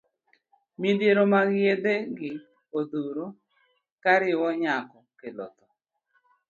Midhiero mag yedhe gi odhuro kariwo nyako kelo tho.